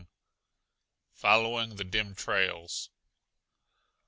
FOLLOWING THE DIM TRAILS!